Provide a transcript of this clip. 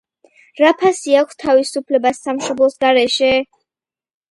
რა ფასი აქვს თავისუფლებას სამშობლოს გარეშე?